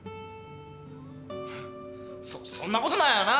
そそんなことないよな？